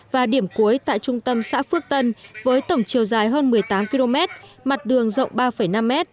và điểm cuối tại trung tâm xã phước tân với tổng chiều dài hơn một mươi tám km mặt đường rộng ba năm m